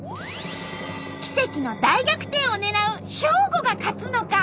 奇跡の大逆転を狙う兵庫が勝つのか！？